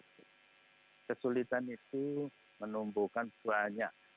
kesulitan itu menumbuhkan banyak